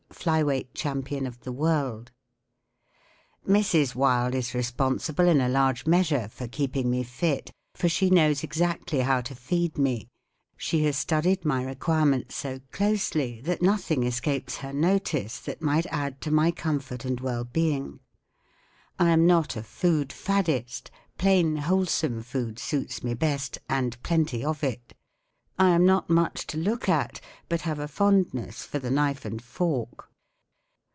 Flyweight Champion of the World, Mrs* Wilde is responsible, in a large measure, for keeping me fit, for she knows exactly how to feed me* She has studied my requirements so closely that nothing escapes her notice that might add to my comfort and well being, I am not a food faddist* Plain, wholesome food suits me best, and plenty of it* 1 am not much to look at, but have a fondness for the knife and fork.